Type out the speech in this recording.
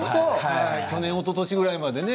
去年おととしぐらいまでね。